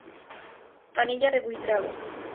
Pinilla de Buitrago.